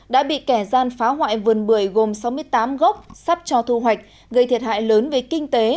đã bị kẻ gian phá hoại vườn bưởi gồm sáu mươi tám gốc sắp cho thu hoạch gây thiệt hại lớn về kinh tế